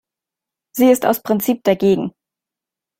Sie ist aus Prinzip dagegen.